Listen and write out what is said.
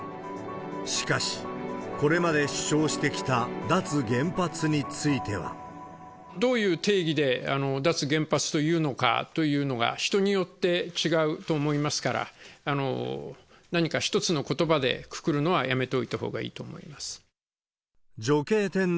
しかし、これまで主張してきた脱原発については。どういう定義で脱原発というのかというのが、人によって違うと思いますから、何か一つのことばでくくるのはやめておいたほうがいいと思います。